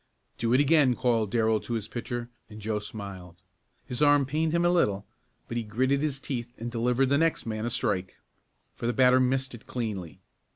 "Do it again!" called Darrell to his pitcher, and Joe smiled. His arm pained him a little, but he gritted his teeth and delivered the next man a strike, for the batter missed it cleanly.